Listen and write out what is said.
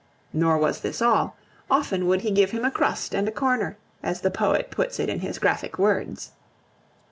Nor was this all; often would he give him a crust and a corner, as the poet puts it in his graphic words.